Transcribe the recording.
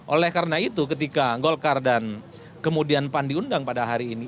oleh karena itu ketika golkar dan kemudian pan diundang pada hari ini